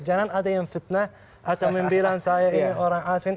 jangan ada yang fitnah atau membilang saya ini orang asing